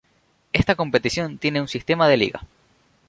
Esta competición tiene un sistema de liga.